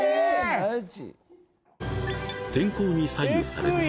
・マジ！？